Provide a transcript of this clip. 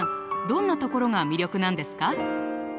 どんなところが魅力なんですか？